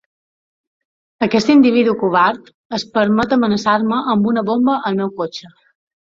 Aquest individu covard es permet amenaçar-me amb una bomba al meu cotxe.